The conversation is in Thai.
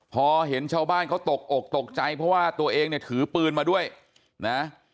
พอเห็นชาวบ้านเขาตกอกตกใจเพราะว่าตัวเองเนี่ยถือปืนมาด้วยนะ